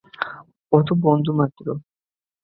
ও তো বন্ধু মাত্র।